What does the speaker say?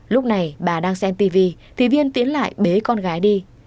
lúc này bà đang xem tv thì viên tiến lại bế con gái đi